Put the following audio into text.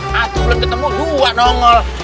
satu bulan ketemu dua nongol